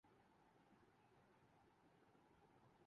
گھنٹی بجانا تھوڑا سا جنون بن جاتا ہے